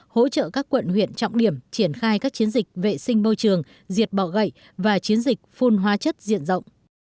hỗ trợ các quận huyện trọng điểm triển khai các chiến dịch vệ sinh môi trường diệt bỏ gậy và chiến dịch phun hóa chất diện rộng